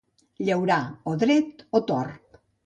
Llaurar, o dret o tort.